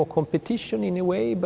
có thể chuẩn bị